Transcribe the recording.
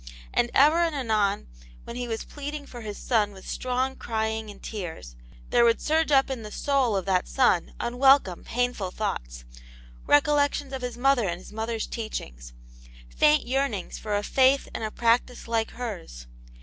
And ever and anon when he was pleading for his son mth strong crying and tears, there would surge up in the soul of that son unwelcome, ^avwful thoughts ; Aunt yane*s Hero. 27 recollections of his mother and his mother's teachings, faint yearnings for a faith and a practice like hers.